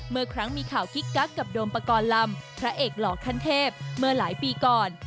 เมื่อครั้งมีข่าวกิ๊กกักกับโดมปกรณ์ลำพระเอกหล่อขั้นเทพเมื่อหลายปีก่อน